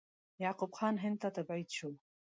یعقوب خان هند ته تبعید شو.